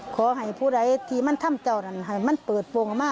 ขอให้ผู้ใดที่มันทำเจ้านั้นให้มันเปิดโปรงออกมา